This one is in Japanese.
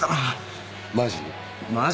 マジ？